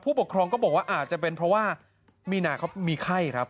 ปกครองก็บอกว่าอาจจะเป็นเพราะว่ามีนาเขามีไข้ครับ